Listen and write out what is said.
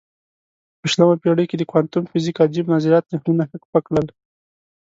په شلمه پېړۍ کې د کوانتم فزیک عجیب نظریاتو ذهنونه هک پک کړل.